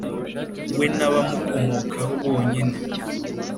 we n’abamukomokaho bonyine,